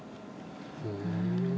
うん。